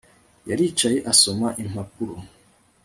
Yaricaye asoma impapuro